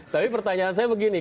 tapi pertanyaan saya begini